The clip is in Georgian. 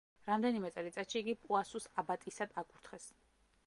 რამდენიმე წელიწადში იგი პუასუს აბატისად აკურთხეს.